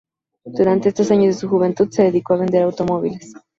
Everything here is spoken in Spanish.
Durante estos años de su juventud, se dedicó a vender automóviles.